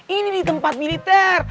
ini di tempat militer